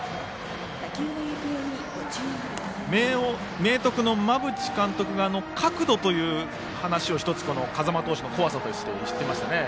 明徳の馬淵監督が角度という話を風間投手の怖さとしてしていました。